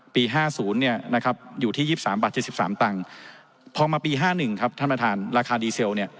๕๐อยู่ที่๒๓บาท๗๓ตังค์พอมาปี๕๑ครับท่านประธานราคาดีเซล